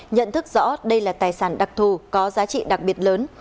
nhận thức rõ đây là tài sản đặc thù có giá trị đặc biệt lớn